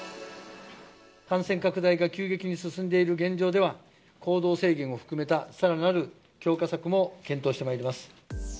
感染拡大が急激に進んでいる現状では、行動制限も含めたさらなる強化策も検討してまいります。